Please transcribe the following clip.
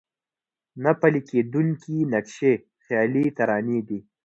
نه پلي کېدونکي نقشې خيالي ترانې دي.